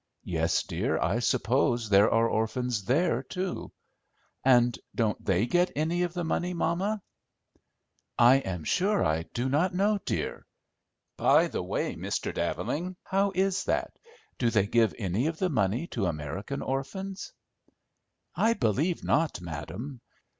"Yes, dear, I suppose there are orphans there too." "And don't they get any of the money, mamma?" "I am sure I do not know, dear. By the way, Mr. Daveling, how is that? Do they give any of the money to American orphans?" "I believe not, madam.